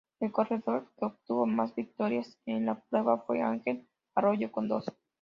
El corredor que obtuvo más victorias en la prueba fue Ángel Arroyo, con dos.